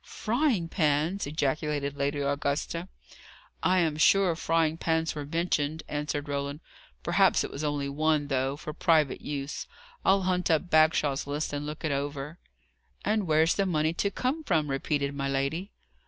"Frying pans!" ejaculated Lady Augusta. "I am sure frying pans were mentioned," answered Roland. "Perhaps it was only one, though, for private use. I'll hunt up Bagshaw's list, and look it over." "And where's the money to come from?" repeated my lady.